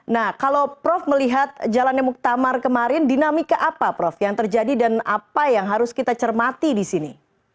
nah kalau prof melihat jalannya muktamar kemarin dinamika apa prof yang terjadi dan apa yang harus kita cermati di sini